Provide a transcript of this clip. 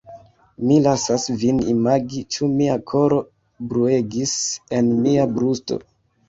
Mi lasas vin imagi, ĉu mia koro bruegis en mia brusto.